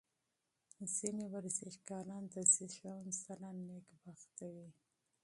ځینې ورزشکاران د زېږون سره نېکبخته وي.